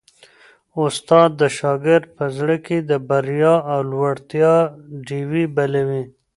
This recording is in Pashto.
استاد د شاګرد په زړه کي د بریا او لوړتیا ډېوې بلوي.